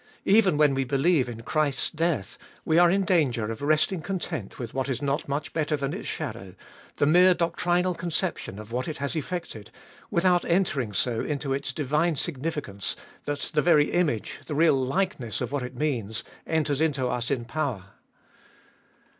Even when we believe in Christ's death, we are in danger of resting content with what is not much better than its shadow, the mere doctrinal conception of what it has effected, without entering so into its divine significance, that the very image, the real likeness of what it means, enters into us in power.